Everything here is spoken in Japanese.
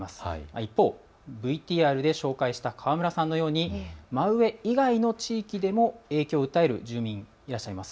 一方、ＶＴＲで紹介した河村さんのように真上以外の地域でも影響を訴える住民がいらっしゃいます。